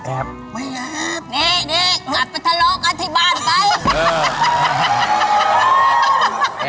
แอบไม่แอบนี่นี่กลับไปทะเลาะกันที่บ้านไป